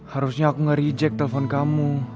harusnya aku nge reject telpon kamu